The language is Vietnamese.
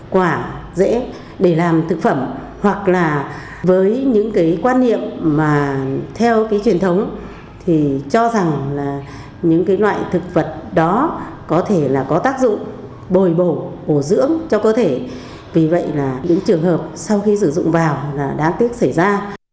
quả dễ để làm thực phẩm hoặc là với những cái quan niệm mà theo cái truyền thống thì cho rằng là những cái loại thực vật đó có thể là có tác dụng bồi bổ dưỡng cho cơ thể vì vậy là những trường hợp sau khi sử dụng vào là đáng tiếc xảy ra